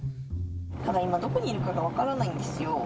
ただ、今どこにいるかが分からないんですよ。